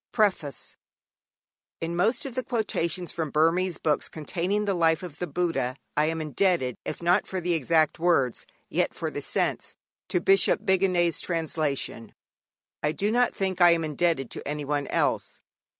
_ PREFACE In most of the quotations from Burmese books containing the life of the Buddha I am indebted, if not for the exact words, yet for the sense, to Bishop Bigandet's translation. I do not think I am indebted to anyone else.